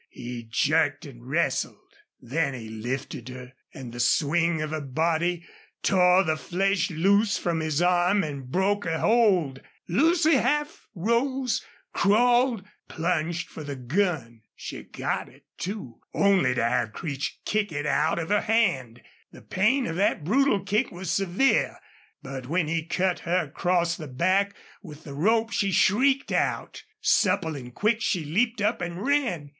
He jerked and wrestled. Then he lifted her, and the swing of her body tore the flesh loose from his arm and broke her hold. Lucy half rose, crawled, plunged for the gun. She got it, too, only to have Creech kick it out of her hand. The pain of that brutal kick was severe, but when he cut her across the bare back with the rope she shrieked out. Supple and quick, she leaped up and ran.